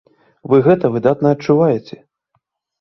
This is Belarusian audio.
Вы гэта выдатна адчуваеце.